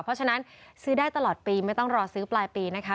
เพราะฉะนั้นซื้อได้ตลอดปีไม่ต้องรอซื้อปลายปีนะคะ